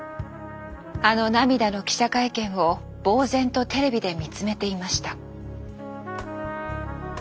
あの涙の記者会見をぼう然とテレビで見つめていました。